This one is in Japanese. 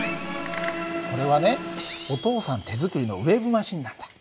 これはねお父さん手作りのウェーブマシンなんだ。